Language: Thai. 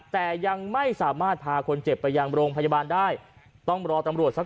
แต่ยังไม่สามารถพาคนเจ็บไปยังโรงพยาบาลได้ต้องรอตำรวจสัก